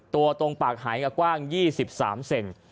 ตัวตรงปากหายก็กว้าง๒๓เซน